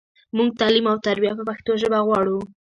مونږ تعلیم او تربیه په پښتو ژبه غواړو